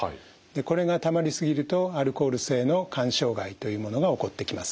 これがたまり過ぎるとアルコール性の肝障害というものが起こってきます。